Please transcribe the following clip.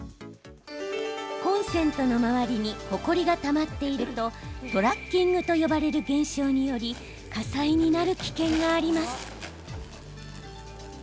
コンセントの周りにほこりがたまっているとトラッキングと呼ばれる現象により火災になる危険があります。